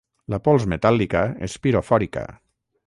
La pols metàl·lica és pirofòrica.